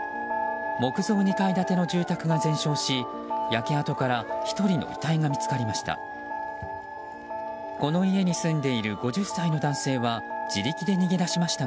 木造２階建ての住宅が全焼し焼け跡から１人の遺体が見つかりました。